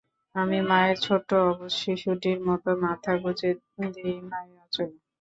আমি মায়ের ছোট্ট অবুঝ শিশুটির মতো মাথা গুঁজে দিই মায়ের আচঁলে।